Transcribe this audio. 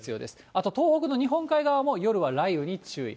あと東北の日本海側も、夜は雷雨に注意。